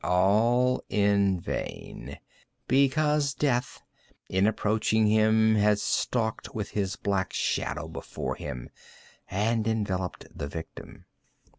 All in vain; because Death, in approaching him had stalked with his black shadow before him, and enveloped the victim.